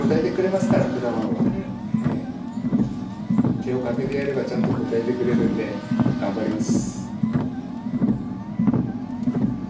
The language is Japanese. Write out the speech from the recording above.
手をかけてやればちゃんと応えてくれるんで頑張ります。